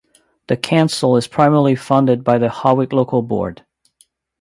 The council is primarily funded by the Howick Local Board.